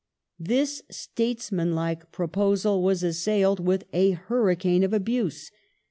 This statesmanlike proposal was assailed with a huri'icane of abuse.